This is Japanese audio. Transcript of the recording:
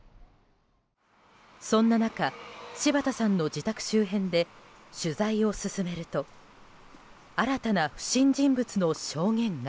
そんな中、柴田さんの自宅周辺で取材を進めると新たな不審人物の証言が。